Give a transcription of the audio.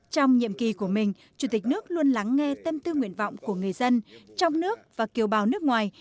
trong nhiệm kỳ của mình chủ tịch nước luôn lắng nghe tâm tư nguyện vọng của người dân trong nước và kiều bào nước ngoài